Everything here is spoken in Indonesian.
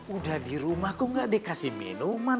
udah di rumah kok nggak dikasih minuman